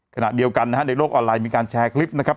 ขณะเดียวกันนะฮะในโลกออนไลน์มีการแชร์คลิปนะครับ